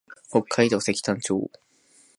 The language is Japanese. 北海道積丹町